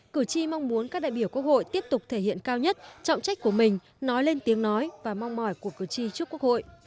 cử tri mong muốn các đại biểu quốc hội tiếp tục thể hiện cao nhất trọng trách của mình nói lên tiếng nói và mong mỏi của cử tri trước quốc hội